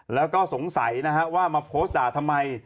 แล้วก็สงสัยนะฮะว่ามาโพสต์ด่าทำไม